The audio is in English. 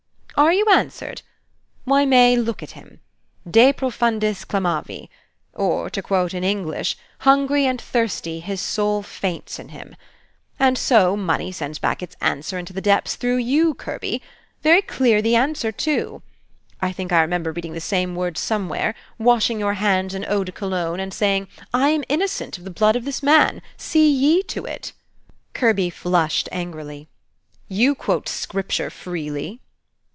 "Are you answered? Why, May, look at him! 'De profundis clamavi.' Or, to quote in English, 'Hungry and thirsty, his soul faints in him.' And so Money sends back its answer into the depths through you, Kirby! Very clear the answer, too! I think I remember reading the same words somewhere: washing your hands in Eau de Cologne, and saying, 'I am innocent of the blood of this man. See ye to it!'" Kirby flushed angrily. "You quote Scripture freely."